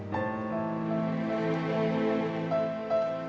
masa panjang aja nih trots